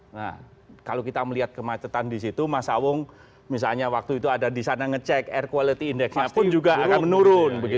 nah kalau kita melihat kemacetan disitu mas sawung misalnya waktu itu ada disana ngecek air quality indexnya pun juga akan menurun